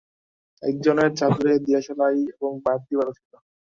একজনের চাদরে দিয়াশলাই এবং বাতি বাঁধা ছিল।